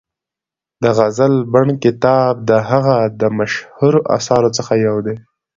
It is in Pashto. د غزل بڼ کتاب د هغه د مشهورو اثارو څخه یو دی.